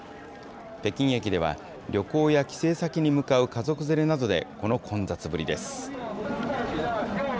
北京駅では、旅行や帰省先に向かう家族連れなどで、この混雑ぶり